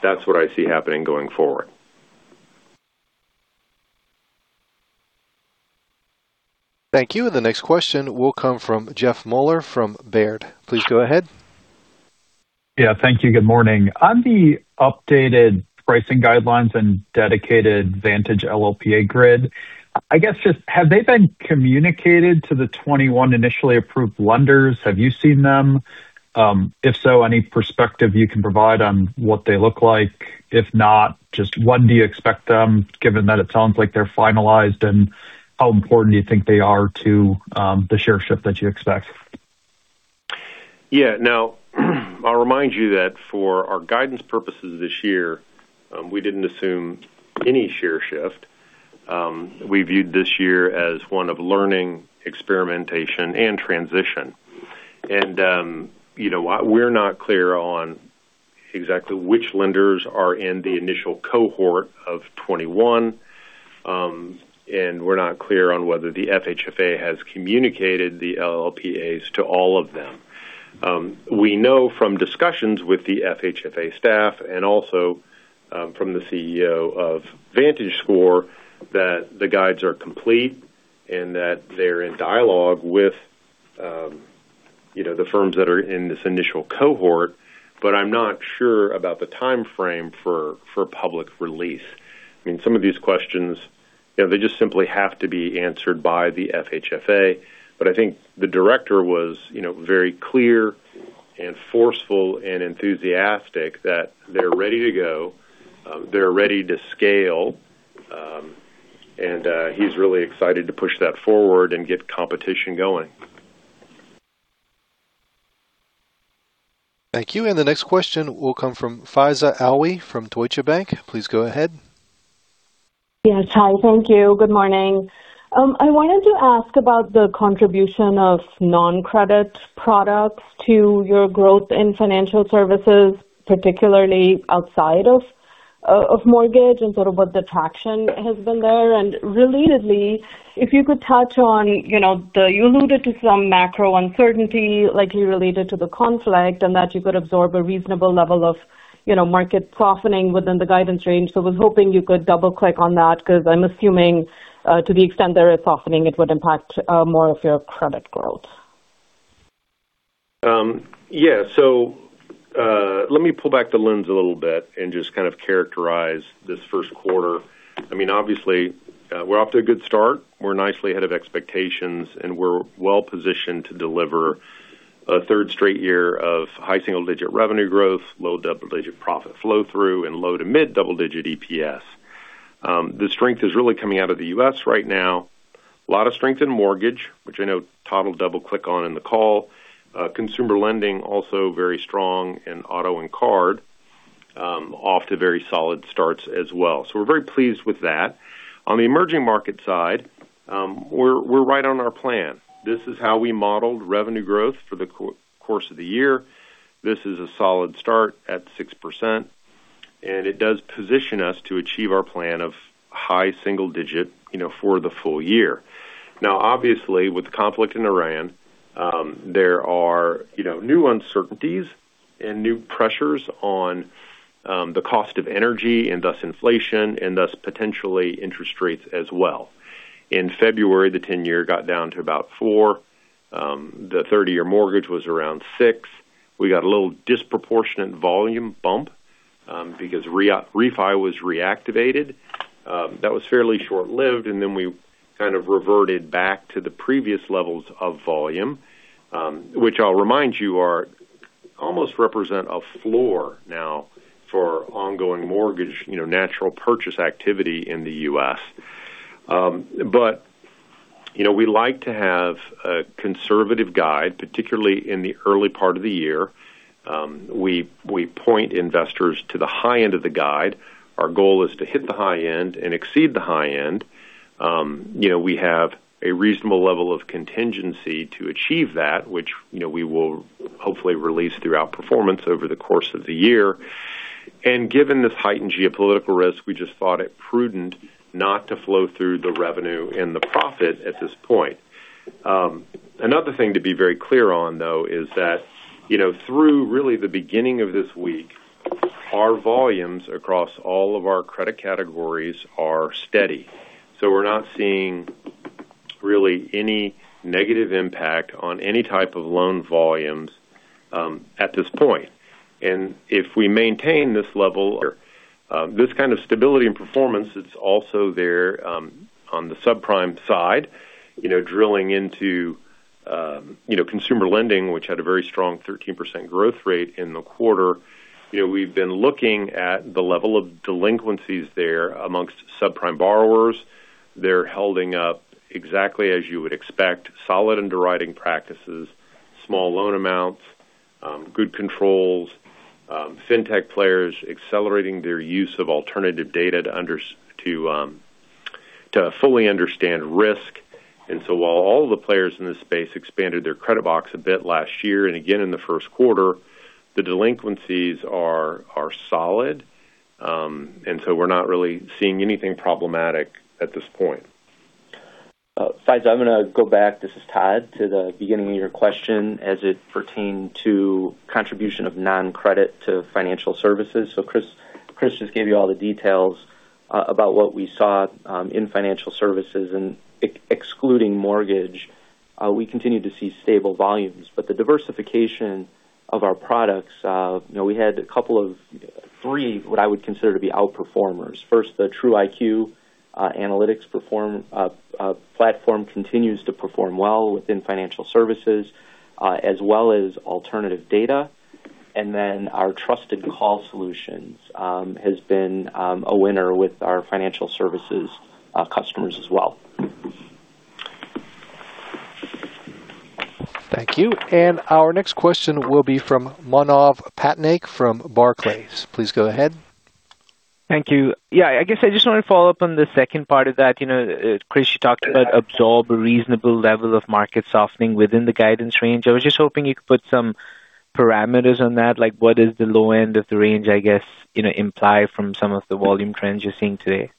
That's what I see happening going forward. Thank you. The next question will come from Jeff Meuler from Baird. Please go ahead. Yeah, thank you. Good morning. On the updated pricing guidelines and dedicated Vantage LLPA grid, I guess just have they been communicated to the 21 initially approved lenders? Have you seen them? If so, any perspective you can provide on what they look like? If not, just when do you expect them, given that it sounds like they're finalized, and how important do you think they are to the share shift that you expect? Yeah. Now, I'll remind you that for our guidance purposes this year, we didn't assume any share shift. We viewed this year as one of learning, experimentation, and transition. You know, we're not clear on exactly which lenders are in the initial cohort of 21, and we're not clear on whether the FHFA has communicated the LLPAs to all of them. We know from discussions with the FHFA staff and also, from the CEO of VantageScore that the guides are complete and that they're in dialogue with, you know, the firms that are in this initial cohort, but I'm not sure about the timeframe for public release. I mean, some of these questions, you know, they just simply have to be answered by the FHFA. I think the director was, you know, very clear and forceful and enthusiastic that they're ready to go, they're ready to scale, and he's really excited to push that forward and get competition going. Thank you. The next question will come from Faiza Alwy from Deutsche Bank. Please go ahead. Yes. Hi. Thank you. Good morning. I wanted to ask about the contribution of non-credit products to your growth in financial services, particularly outside of mortgage and sort of what the traction has been there. Relatedly, if you could touch on, you know, you alluded to some macro uncertainty likely related to the conflict and that you could absorb a reasonable level of, you know, market softening within the guidance range. I was hoping you could double-click on that because I'm assuming to the extent there is softening, it would impact more of your credit growth. Yeah. Let me pull back the lens a little bit and just kind of characterize this first quarter. I mean, obviously, we're off to a good start. We're nicely ahead of expectations, and we're well-positioned to deliver a third straight year of high single-digit revenue growth, low double-digit profit flow-through, and low to mid double-digit EPS. The strength is really coming out of the U.S. right now. A lot of strength in mortgage, which I know Todd will double-click on in the call. Consumer lending also very strong in auto and card, off to very solid starts as well. We're very pleased with that. On the emerging market side, we're right on our plan. This is how we modeled revenue growth for the course of the year. This is a solid start at 6%, and it does position us to achieve our plan of high single-digit, you know, for the full year. Now, obviously, with the conflict in Iran, there are, you know, new uncertainties and new pressures on the cost of energy and thus inflation and thus potentially interest rates as well. In February, the 10-year got down to about four. The 30-year mortgage was around six. We got a little disproportionate volume bump because refi was reactivated. That was fairly short-lived, and then we kind of reverted back to the previous levels of volume, which I'll remind you almost represent a floor now for ongoing mortgage, you know, natural purchase activity in the U.S. But, you know, we like to have a conservative guide, particularly in the early part of the year. We point investors to the high end of the guide. Our goal is to hit the high end and exceed the high end. You know, we have a reasonable level of contingency to achieve that, which, you know, we will hopefully release throughout performance over the course of the year. Given this heightened geopolitical risk, we just thought it prudent not to flow through the revenue and the profit at this point. Another thing to be very clear on, though, is that, you know, through really the beginning of this week. Our volumes across all of our credit categories are steady. We're not seeing really any negative impact on any type of loan volumes at this point. If we maintain this level or, this kind of stability and performance that's also there, on the subprime side, you know, drilling into, you know, consumer lending, which had a very strong 13% growth rate in the quarter. You know, we've been looking at the level of delinquencies there amongst subprime borrowers. They're holding up exactly as you would expect. Solid underwriting practices, small loan amounts, good controls, fintech players accelerating their use of alternative data to fully understand risk. While all the players in this space expanded their credit box a bit last year and again in the first quarter, the delinquencies are solid. We're not really seeing anything problematic at this point. Faiza, I'm gonna go back, this is Todd, to the beginning of your question as it pertained to contribution of non-credit to financial services. Chris just gave you all the details about what we saw in financial services. Excluding mortgage, we continue to see stable volumes. The diversification of our products, you know, we had a couple of three, what I would consider to be outperformers. First, the TruIQ analytics platform continues to perform well within financial services, as well as alternative data. Then our Trusted Call Solutions has been a winner with our financial services customers as well. Thank you. Our next question will be from Manav Patnaik from Barclays. Please go ahead. Thank you. Yeah, I guess I just want to follow up on the second part of that. You know, Chris, you talked about absorb a reasonable level of market softening within the guidance range. I was just hoping you could put some parameters on that, like what is the low end of the range, I guess, you know, imply from some of the volume trends you're seeing today?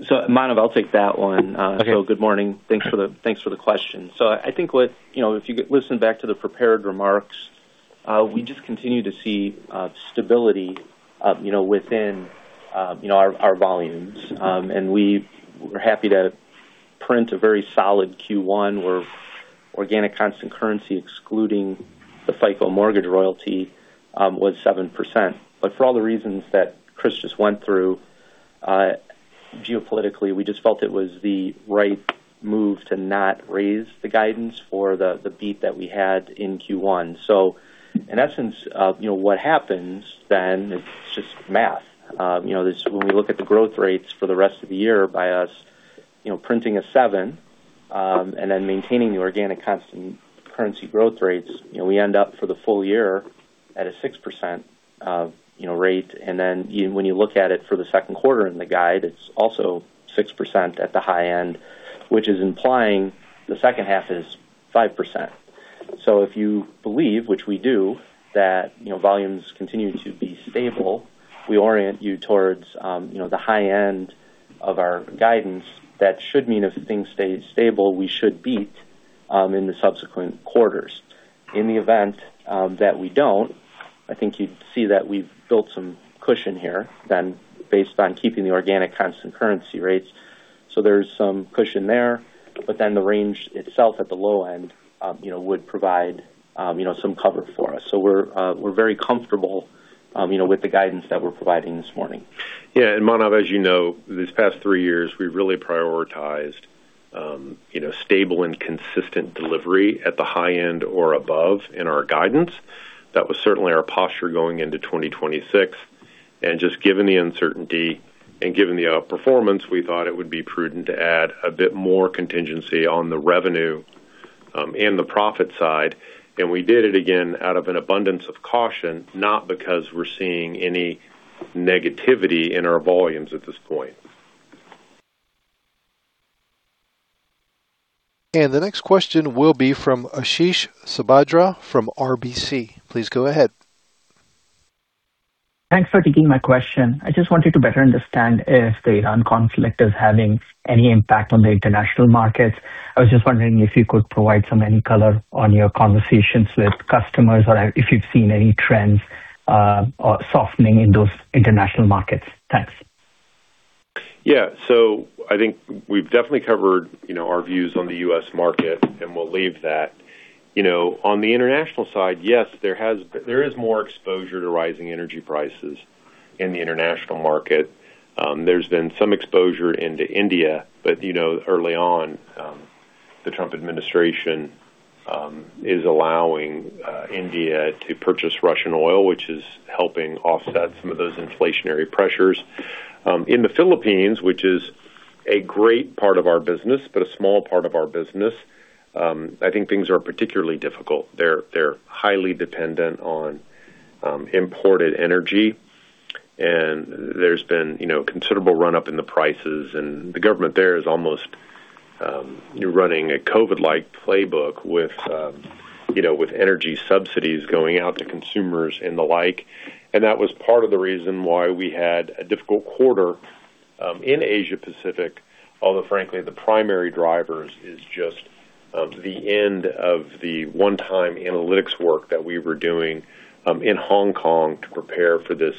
Manav, I'll take that one. Okay. Good morning. Thanks for the, thanks for the question. I think what, you know, if you listen back to the prepared remarks, we just continue to see stability, you know, within, you know, our volumes. And we're happy to print a very solid Q1 where organic constant currency, excluding the FICO mortgage royalty, was 7%. For all the reasons that Chris just went through, geopolitically, we just felt it was the right move to not raise the guidance for the beat that we had in Q1. In essence, you know, what happens then is just math. When we look at the growth rates for the rest of the year by us, printing a seven, and then maintaining the organic constant currency growth rates, we end up for the full year at a 6% rate. When you look at it for the second quarter in the guide, it's also 6% at the high end, which is implying the second half is 5%. If you believe, which we do, that volumes continue to be stable, we orient you towards the high end of our guidance. That should mean if things stay stable, we should beat in the subsequent quarters. In the event that we don't, I think you'd see that we've built some cushion here than based on keeping the organic constant currency rates. There's some cushion there, but then the range itself at the low end, you know, would provide, you know, some cover for us. We're very comfortable, you know, with the guidance that we're providing this morning. Yeah. Manav, as you know, these past three years, we've really prioritized, you know, stable and consistent delivery at the high end or above in our guidance. That was certainly our posture going into 2026. Just given the uncertainty and given the outperformance, we thought it would be prudent to add a bit more contingency on the revenue and the profit side. We did it again out of an abundance of caution, not because we're seeing any negativity in our volumes at this point. The next question will be from Ashish Sabadra from RBC. Please go ahead. Thanks for taking my question. I just wanted to better understand if the Iran conflict is having any impact on the international markets. I was just wondering if you could provide some any color on your conversations with customers or if you've seen any trends, or softening in those international markets. Thanks. I think we've definitely covered, you know, our views on the U.S. market. We'll leave that. On the international side, yes, there is more exposure to rising energy prices in the international market. There's been some exposure into India. Early on, the Trump administration is allowing India to purchase Russian oil, which is helping offset some of those inflationary pressures. In the Philippines, which is a great part of our business, but a small part of our business, I think things are particularly difficult. They're highly dependent on imported energy, and there's been, you know, considerable run-up in the prices. The government there is almost running a COVID-like playbook with, you know, with energy subsidies going out to consumers and the like. That was part of the reason why we had a difficult quarter in Asia Pacific, although frankly, the primary drivers is just the end of the one-time analytics work that we were doing in Hong Kong to prepare for this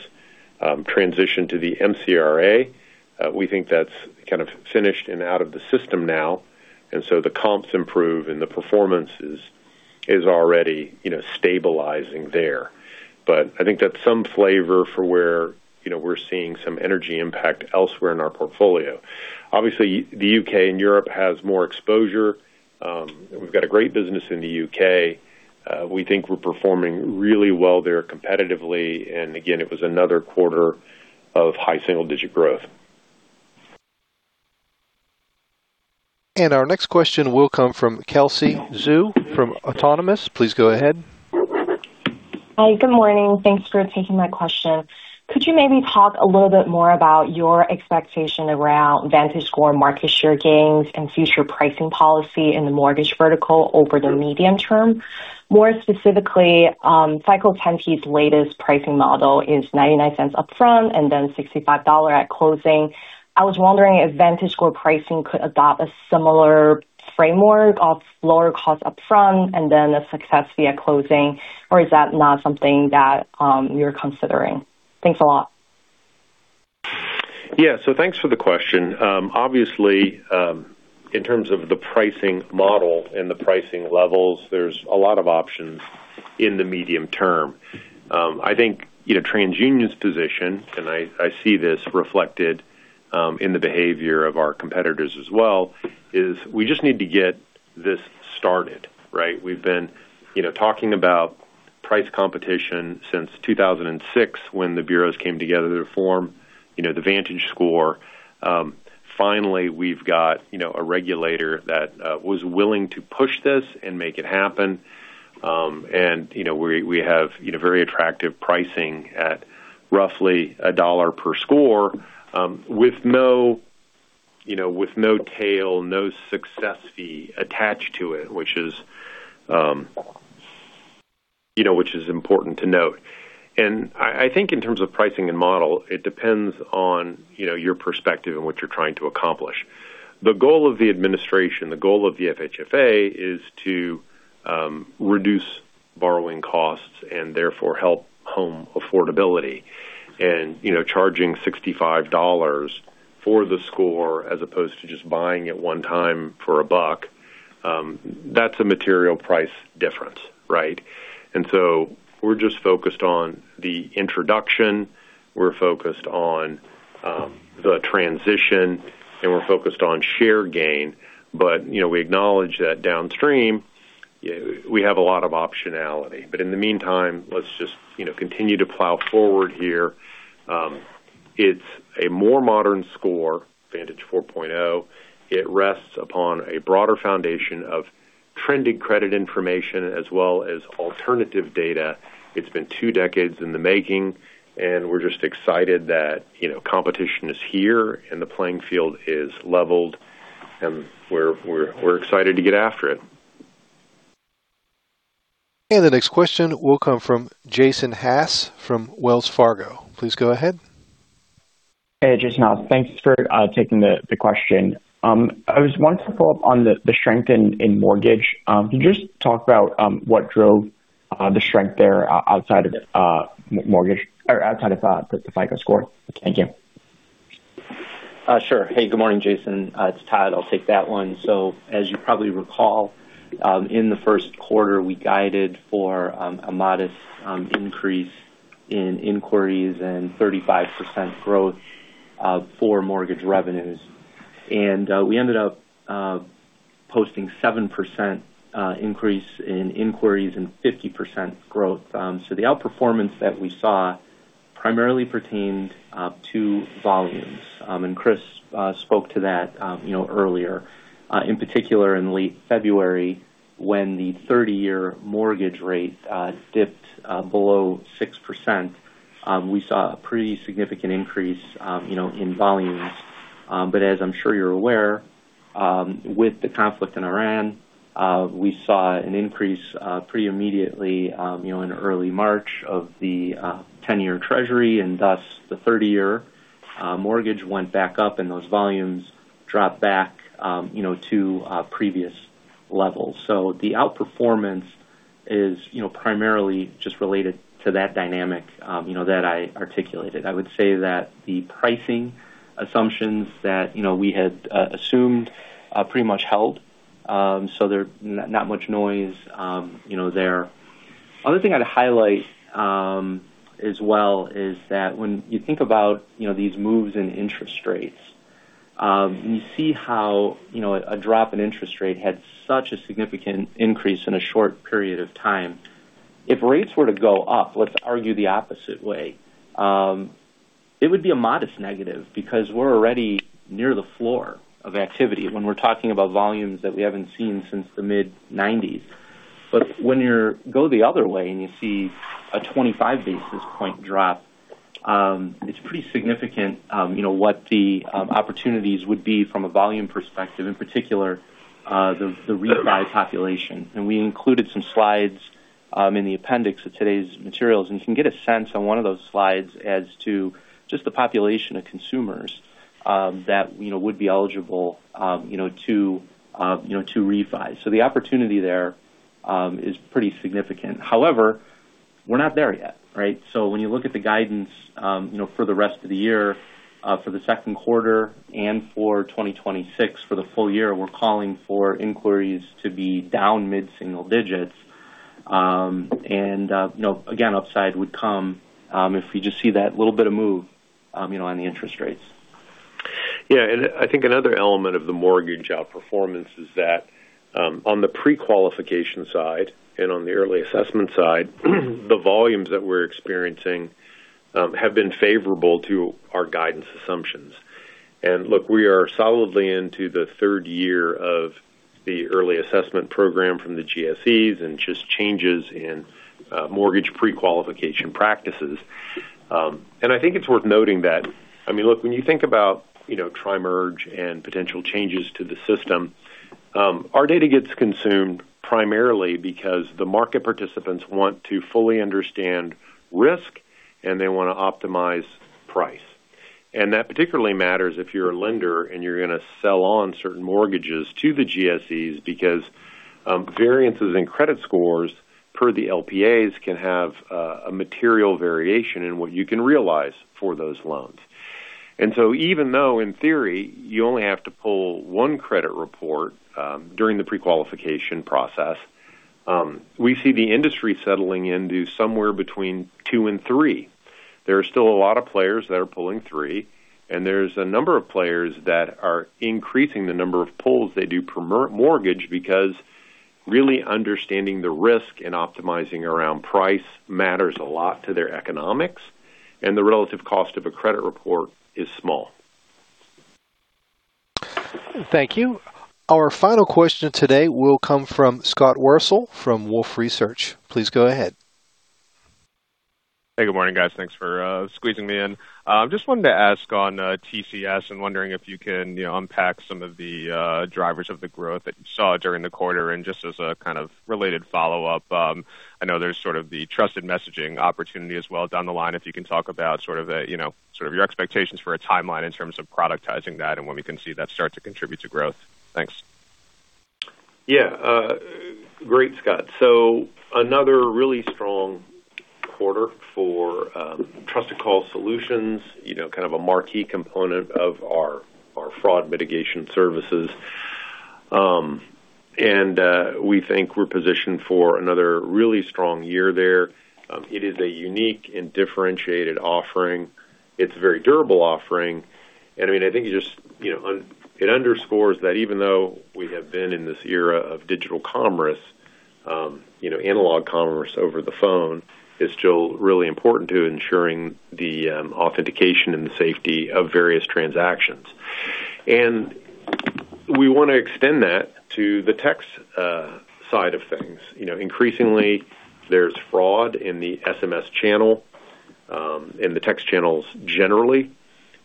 transition to the MCRA. We think that's kind of finished and out of the system now, so the comps improve and the performance is already, you know, stabilizing there. I think that's some flavor for where, you know, we're seeing some energy impact elsewhere in our portfolio. Obviously the U.K. and Europe has more exposure. We've got a great business in the U.K. We think we're performing really well there competitively. Again, it was another quarter of high single-digit growth. Our next question will come from Kelsey Zhu from Autonomous. Please go ahead. Hi, good morning. Thanks for taking my question. Could you maybe talk a little bit more about your expectation around VantageScore market share gains and future pricing policy in the mortgage vertical over the medium term? More specifically, FICO 10T's latest pricing model is $0.99 upfront and then $65 at closing. I was wondering if VantageScore pricing could adopt a similar framework of lower cost upfront and then a success via closing, or is that not something that you're considering? Thanks a lot. Yeah. Thanks for the question. Obviously, in terms of the pricing model and the pricing levels, there's a lot of options in the medium term. I think, you know, TransUnion's position, and I see this reflected in the behavior of our competitors as well, is we just need to get this started, right? We've been, you know, talking about price competition since 2006 when the bureaus came together to form, you know, the VantageScore. Finally, we've got, you know, a regulator that was willing to push this and make it happen. We have, you know, very attractive pricing at roughly $1 per score, with no, you know, with no tail, no success fee attached to it, which is, you know, which is important to note. I think in terms of pricing and model, it depends on, you know, your perspective and what you're trying to accomplish. The goal of the administration, the goal of the FHFA is to reduce borrowing costs and therefore help home affordability. You know, charging $65 for the score as opposed to just buying it 1 time for $1, that's a material price difference, right? We're just focused on the introduction, we're focused on the transition, and we're focused on share gain. You know, we acknowledge that downstream, we have a lot of optionality. In the meantime, let's just, you know, continue to plow forward here. It's a more modern score, Vantage 4.0. It rests upon a broader foundation of trending credit information as well as alternative data. It's been two decades in the making, and we're just excited that, you know, competition is here and the playing field is leveled, and we're excited to get after it. The next question will come from Jason Haas from Wells Fargo. Please go ahead. Hey, Jason Haas. Thanks for taking the question. I was wanting to follow up on the strength in mortgage. Can you just talk about what drove the strength there outside of mortgage or outside of the FICO Score? Thank you. Sure. Hey, good morning, Jason. It's Todd. I'll take that one. As you probably recall, in the 1st quarter, we guided for a modest increase in inquiries and 35% growth for mortgage revenues. We ended up posting 7% increase in inquiries and 50% growth. The outperformance that we saw primarily pertained to volumes. Chris spoke to that, you know, earlier. In particular in late February, when the 30-year mortgage rate dipped below 6%, we saw a pretty significant increase, you know, in volumes. As I'm sure you're aware, with the conflict in Iran, we saw an increase pretty immediately in early March of the 10-year Treasury, and thus the 30-year mortgage went back up and those volumes dropped back to previous levels. The outperformance is primarily just related to that dynamic that I articulated. I would say that the pricing assumptions that we had assumed pretty much held. There's not much noise there. Other thing I'd highlight, as well is that when you think about, you know, these moves in interest rates, and you see how, you know, a drop in interest rate had such a significant increase in a short period of time, if rates were to go up, let's argue the opposite way, it would be a modest negative because we're already near the floor of activity when we're talking about volumes that we haven't seen since the mid-nineties. When you go the other way and you see a 25 basis point drop, it's pretty significant, you know, what the opportunities would be from a volume perspective, in particular, the rebuy population. We included some slides in the appendix of today's materials, and you can get a sense on one of those slides as to just the population of consumers that, you know, would be eligible, you know, to, you know, to refi. The opportunity there is pretty significant. However, we're not there yet, right. When you look at the guidance, you know, for the rest of the year, for the second quarter and for 2026, for the full year, we're calling for inquiries to be down mid-single digits. You know, again, upside would come if we just see that little bit of move, you know, on the interest rates. I think another element of the mortgage outperformance is that on the pre-qualification side and on the Early Assessment Program side, the volumes that we're experiencing have been favorable to our guidance assumptions. Look, we are solidly into the third year of the Early Assessment Program from the GSEs and just changes in mortgage pre-qualification practices. I think it's worth noting that, I mean, look, when you think about, you know, tri-merge and potential changes to the system, our data gets consumed primarily because the market participants want to fully understand risk and they want to optimize price. That particularly matters if you're a lender and you're going to sell on certain mortgages to the GSEs because variances in credit scores per the LLPAs can have a material variation in what you can realize for those loans. Even though in theory you only have to pull one credit report, during the pre-qualification process, we see the industry settling into somewhere between two and three. There are still a lot of players that are pulling three, and there's a number of players that are increasing the number of pulls they do per mortgage because really understanding the risk and optimizing around price matters a lot to their economics and the relative cost of a credit report is small. Thank you. Our final question today will come from Scott Wurtzel from Wolfe Research. Please go ahead. Hey, good morning, guys. Thanks for squeezing me in. Just wanted to ask on TCS and wondering if you can, you know, unpack some of the drivers of the growth that you saw during the quarter? Just as a kind of related follow-up, I know there's sort of the trusted messaging opportunity as well down the line, if you can talk about sort of the, you know, sort of your expectations for a timeline in terms of productizing that and when we can see that start to contribute to growth? Thanks. Great, Scott. Another really strong quarter for Trusted Call Solutions, you know, kind of a marquee component of our fraud mitigation services. We think we're positioned for another really strong year there. It is a unique and differentiated offering. It's a very durable offering. I mean, I think it just, you know, it underscores that even though we have been in this era of digital commerce, you know, analog commerce over the phone is still really important to ensuring the authentication and the safety of various transactions. We want to extend that to the text side of things. You know, increasingly there's fraud in the SMS channel, in the text channels generally.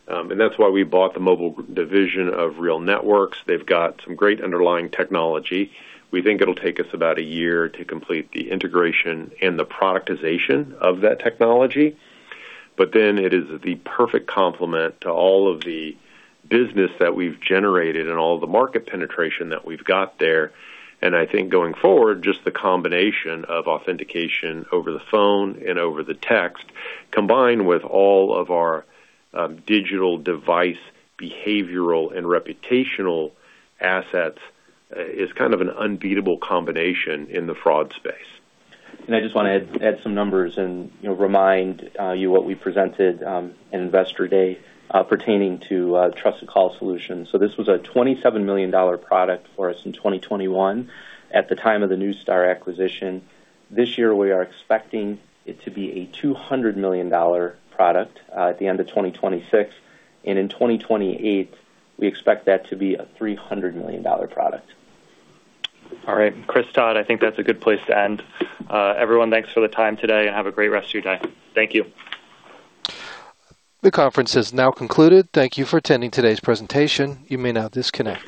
That's why we bought the mobile division of RealNetworks. They've got some great underlying technology. We think it'll take us about a year to complete the integration and the productization of that technology. It is the perfect complement to all of the business that we've generated and all the market penetration that we've got there. I think going forward, just the combination of authentication over the phone and over the text combined with all of our digital device behavioral and reputational assets is kind of an unbeatable combination in the fraud space. I just wanna add some numbers and, you know, remind you what we presented in Investor Day pertaining to Trusted Call Solutions. This was a $27 million product for us in 2021 at the time of the Neustar acquisition. This year we are expecting it to be a $200 million product at the end of 2026. In 2028, we expect that to be a $300 million product. All right. Chris, Todd, I think that's a good place to end. Everyone, thanks for the time today and have a great rest of your day. Thank you. The conference has now concluded. Thank you for attending today's presentation. You may now disconnect.